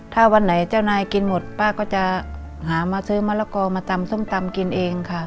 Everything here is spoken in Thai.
ถ้าวันไหนเจ้านายกินหมดป้าก็จะหามาซื้อมะละกอมาตำส้มตำกินเองค่ะ